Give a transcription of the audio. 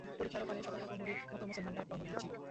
পরিখার ওপাড়ে সতর্ক প্রহরীর মত মুসলমানরা টহল দিচ্ছিল।